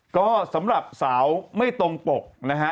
ก็สำหรับสาวไม่ตรงปกนะฮะ